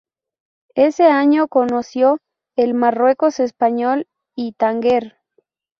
Ese año conoció el Marruecos español y Tánger.